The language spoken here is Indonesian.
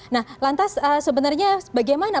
nah lantas sebenarnya bagaimana